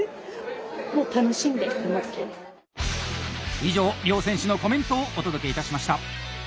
以上両選手のコメントをお届けいたしました。